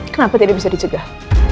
kenapa tidak bisa dicegah